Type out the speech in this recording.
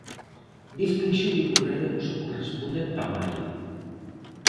Disque en xullo cobraremos o correspondente a maio.